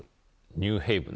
ニューヘイブン。